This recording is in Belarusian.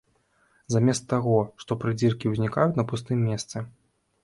Замест таго, што прыдзіркі ўзнікаюць на пустым месцы.